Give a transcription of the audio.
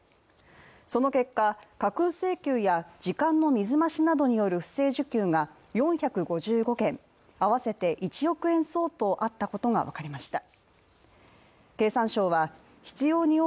その結果、架空請求や時間の水増しなどによる不正受給が４５５件、合わせて１億円相当あったことが分かりました。